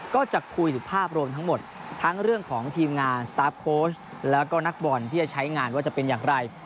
ก็จะคุยถึงภาพรวมทั้งหมดทั้งเรื่องของทีมงานสตาร์ฟโค้ชแล้วก็นักบอลที่จะใช้งานว่าจะเป็นอย่างไร